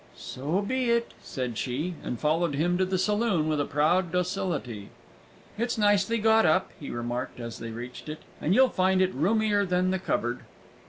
"So be it," said she, and followed him to the saloon with a proud docility. "It's nicely got up," he remarked, as they reached it; "and you'll find it roomier than the cupboard."